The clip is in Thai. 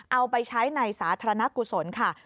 เอาไปใช้ในสาธารณกุศลค่ะ